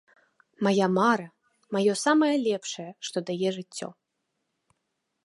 Мая мара, маё самае лепшае, што дае жыццё.